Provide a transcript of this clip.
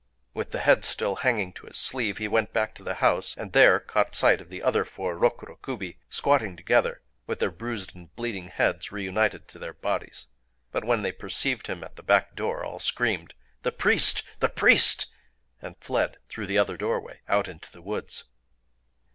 With the head still hanging to his sleeve he went back to the house, and there caught sight of the other four Rokuro Kubi squatting together, with their bruised and bleeding heads reunited to their bodies. But when they perceived him at the back door all screamed, "The priest! the priest!"—and fled, through the other doorway, out into the woods.